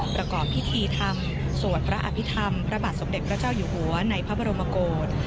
ประกอบพิธีธรรมสวดพระอภิษฐรรมพระบาทสมเด็จพระเจ้าอยู่หัวในพระบรมโกศ